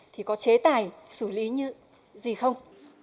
thì có chế tài xử lý như gì không